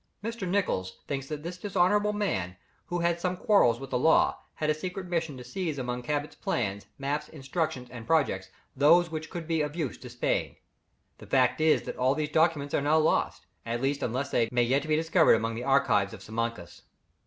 Mr. Nicholls thinks that this dishonourable man, who had had some quarrels with the law, had a secret mission to seize among Cabot's plans, maps, instructions, and projects, those which could be of use to Spain. The fact is that all these documents are now lost, at least unless they may yet be discovered among the archives of Simancas.